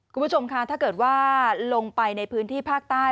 คุณผู้ชมค่ะถ้าเกิดว่าลงไปในพื้นที่ภาคใต้